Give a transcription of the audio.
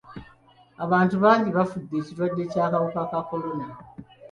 Abantu bangi bafudde ekirwadde ky'akawuka ka kolona.